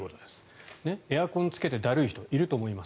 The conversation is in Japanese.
エアコンをつけてだるい人いると思います。